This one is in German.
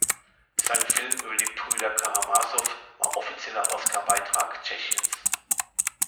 Sein Film über die Brüder Karamasow war offizieller Oscar-Beitrag Tschechiens.